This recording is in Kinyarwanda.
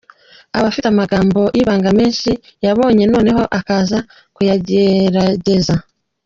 Aba afite amagambo y’ibanga menshi yabonye noneho akaza kuyagerageza.